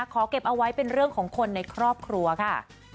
เก็บเอาไว้เป็นเรื่องของคนในครอบครัวค่ะ